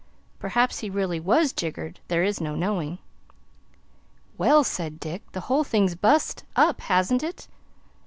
Perhaps he really WAS jiggered. There is no knowing. "Well," said Dick, "the whole thing's bust up, hasn't it?"